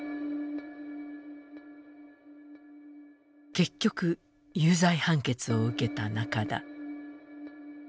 結局、有罪判決を受けた中田。